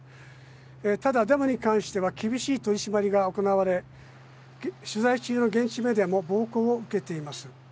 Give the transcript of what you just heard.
ただデモに関しては厳しい取り締まりが行われ、取材中の現地メディアも暴行を受けています。